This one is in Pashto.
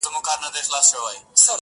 هغه سندري د باروتو او لمبو ويلې،